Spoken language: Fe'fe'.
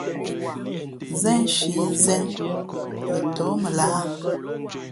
Zénshǐ Zén lά ntōh mα lahā ?